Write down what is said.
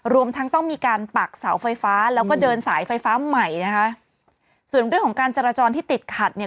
รวมทั้งต้องมีการปักเสาไฟฟ้าแล้วก็เดินสายไฟฟ้าใหม่นะคะส่วนเรื่องของการจราจรที่ติดขัดเนี่ย